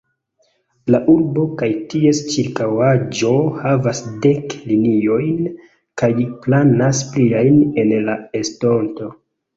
La urbo kaj ties ĉirkaŭaĵo havas dek liniojn kaj planas pliajn en la estonto.